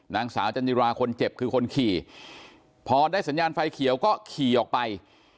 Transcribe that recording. นางสาวจันจิราคนเจ็บคือคนขี่พอได้สัญญาณไฟเขียวก็ขี่ออกไป